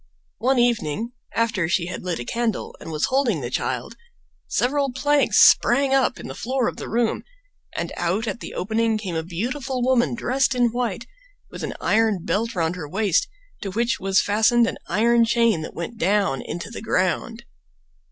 One evening. after she had lit a candle and was holding the child, several planks sprang up in the floor of the room, and out at the opening came a beautiful woman dressed in white, with an iron belt round her waist, to which was fastened an iron chain that went down into the ground.